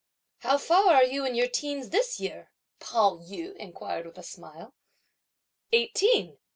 "How far are you in your teens this year?" Pao yü inquired with a smile. "Eighteen!"